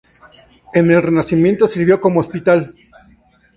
En el Renacimiento sirvió como hospital.